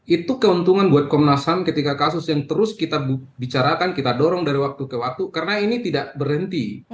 itu keuntungan buat komnas ham ketika kasus yang terus kita bicarakan kita dorong dari waktu ke waktu karena ini tidak berhenti